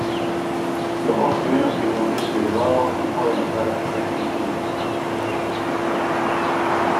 Los dos primeros tienen un precio elevado y pueden estar restringidos.